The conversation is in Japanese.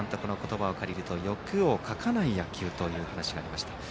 英明高校の香川監督の言葉を借りると欲をかかない野球という話がありました。